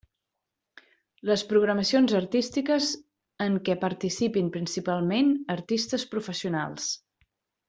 Les programacions artístiques en què participin principalment artistes professionals.